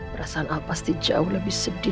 perasaan al pasti jauh lebih sedih